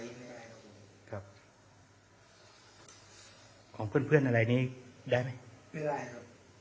ไม่ได้ครับผมครับของเพื่อนเพื่อนอะไรนี้ได้ไหมไม่ได้ครับ